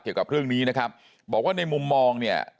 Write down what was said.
เกี่ยวกับเรื่องนี้นะครับบอกว่าในมุมมองเนี่ย